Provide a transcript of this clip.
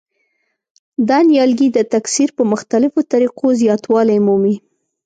دا نیالګي د تکثیر په مختلفو طریقو زیاتوالی مومي.